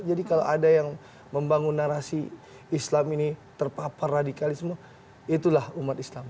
jadi kalau ada yang membangun narasi islam ini terpapar radikalisme itulah umat islam